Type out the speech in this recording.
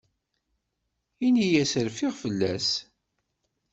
Ini-as rfiɣ fell-as.